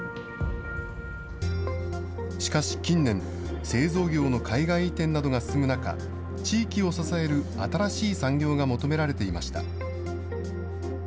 しかし近年、製造業の海外移転などが進む中、地域を支える新しい産業が求められていました。